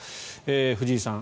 藤井さん